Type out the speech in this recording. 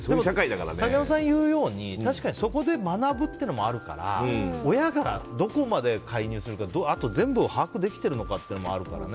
竹山さんが言うようにそこで学ぶっていうのもあるから親がどこまで介入するかあと、全部を把握できてるかというのもあるからね。